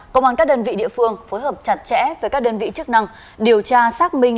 công an các đơn vị địa phương phối hợp chặt chẽ với các đơn vị chức năng điều tra xác minh